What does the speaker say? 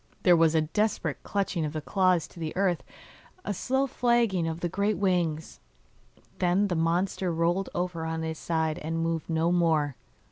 There was a desperate clutching of the claws to the earth, a slow flagging of the great wings, then the monster rolled over on his side and moved no more.